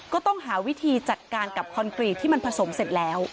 ก็ต้องหาวิธีจัดการกับคอนกรีตที่มันผสมเสร็จแล้ว